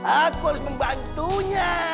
aku harus membantunya